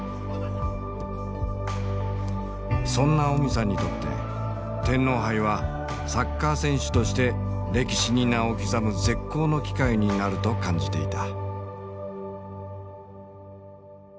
そんなオミさんにとって天皇杯はサッカー選手として歴史に名を刻む絶好の機会になると感じていた。